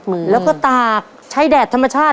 ครอบครัวของแม่ปุ้ยจังหวัดสะแก้วนะครับ